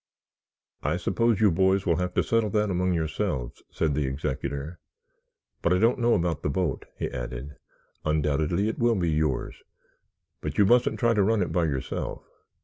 "I suppose you boys will have to settle that among yourselves," said the executor; "but I don't know about the boat," he added. "Undoubtedly it will be yours, but you mustn't try to run it by yourself.